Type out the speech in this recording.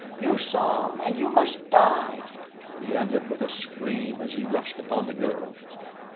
You saw, and you must die!" he ended with a scream as he rushed upon the girl.